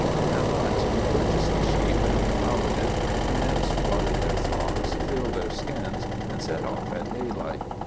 At last we purchased the sheep, and devoured it; the nymphs watered their flocks, filled their skins, and set off at daylight.